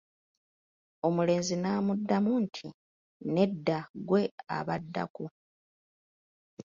Omulenzi n'amuddamu nti, nedda gwe abaddako!